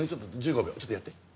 １５秒ちょっとやって。